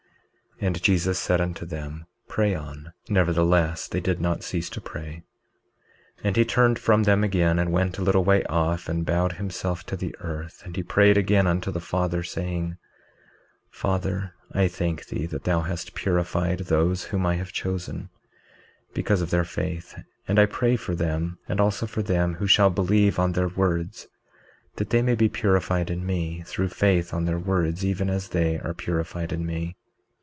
19:26 And Jesus said unto them: Pray on; nevertheless they did not cease to pray. 19:27 And he turned from them again, and went a little way off and bowed himself to the earth; and he prayed again unto the Father, saying: 19:28 Father, I thank thee that thou hast purified those whom I have chosen, because of their faith, and I pray for them, and also for them who shall believe on their words, that they may be purified in me, through faith on their words, even as they are purified in me.